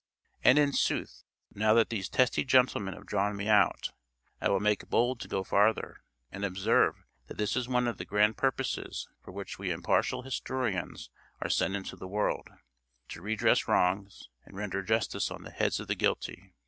And in sooth, now that these testy gentlemen have drawn me out, I will make bold to go farther, and observe that this is one of the grand purposes for which we impartial historians are sent into the world to redress wrongs, and render justice on the heads of the guilty.